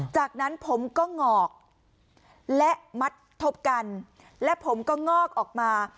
จากนั้นผมก็งอกและมัดทบกันและผมก็งอกออกมา